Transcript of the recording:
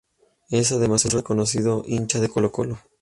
Es además un reconocido hincha de Colo-Colo.